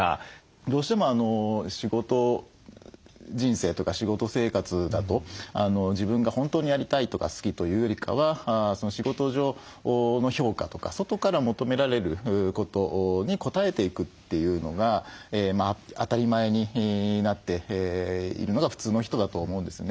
どうしても仕事人生とか仕事生活だと自分が本当にやりたいとか好きというよりかは仕事上の評価とか外から求められることに応えていくというのが当たり前になっているのが普通の人だと思うんですね。